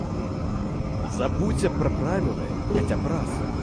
Забудзься пра правілы хаця б раз.